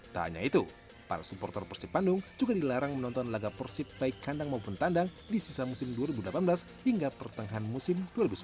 tak hanya itu para supporter persib bandung juga dilarang menonton laga persib baik kandang maupun tandang di sisa musim dua ribu delapan belas hingga pertengahan musim dua ribu sembilan belas